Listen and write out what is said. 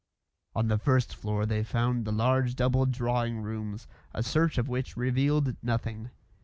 On the first floor they found the large double drawing rooms, a search of which revealed nothing.